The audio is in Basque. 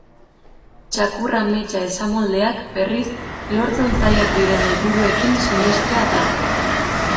Txakur-ametsa esamoldeak, berriz, lortzen zailak diren helburuekin sinestea da.